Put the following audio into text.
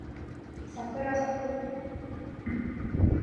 さくらさく